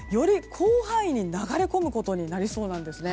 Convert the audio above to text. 広範囲に流れ込んでくることになりそうなんですね。